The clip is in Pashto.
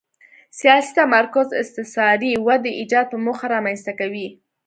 سیاسي تمرکز استثاري ودې ایجاد په موخه رامنځته کوي.